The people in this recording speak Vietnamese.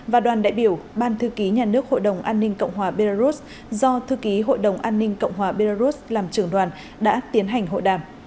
và đoàn đại biểu ban thư ký nhà nước hội đồng an ninh cộng hòa belarus do thư ký hội đồng an ninh cộng hòa belarus làm trưởng đoàn đã tiến hành hội đàm